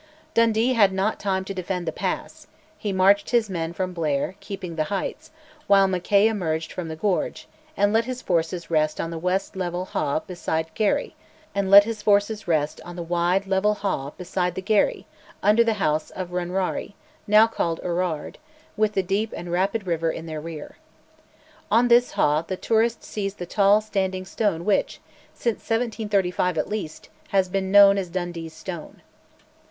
Dundee had not time to defend the pass; he marched his men from Blair, keeping the heights, while Mackay emerged from the gorge, and let his forces rest on the wide level haugh beside the Garry, under the house of Runraurie, now called Urrard, with the deep and rapid river in their rear. On this haugh the tourist sees the tall standing stone which, since 1735 at least, has been known as "Dundee's stone."